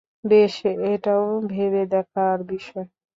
বেশ, এটাও ভেবে দেখার বিষয়।